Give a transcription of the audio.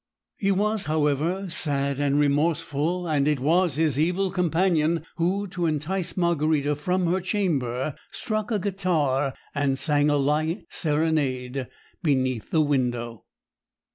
He was, however, sad and remorseful, and it was his evil companion who, to entice Margarita from her chamber, struck a guitar and sang a light serenade beneath the window.